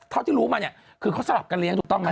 เท่าที่รู้มาเนี่ยคือเขาสาบกันเลี้ยงหรือต้องมัน